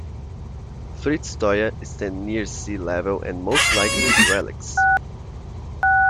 "Fitzroya" stands near sea level are most likely relicts.